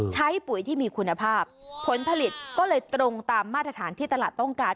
ปุ๋ยที่มีคุณภาพผลผลิตก็เลยตรงตามมาตรฐานที่ตลาดต้องการ